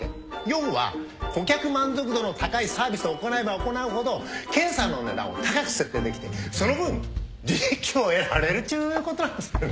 要は顧客満足度の高いサービスを行えば行うほど検査の値段を高く設定できてその分利益を得られるっちゅうことなんですよね。